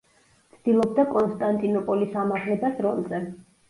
ცდილობდა კონსტანტინოპოლის ამაღლებას რომზე.